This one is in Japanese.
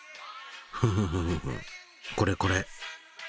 フフフフフこれこれ。